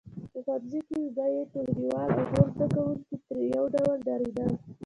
په ښوونځي کې به یې ټولګیوال او نور زده کوونکي ترې یو ډول ډارېدل